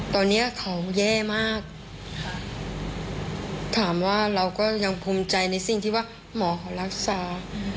ตอนนี้เขาแย่มากถามว่าเราก็ยังภูมิใจในสิ่งที่ว่าหมอเขารักษา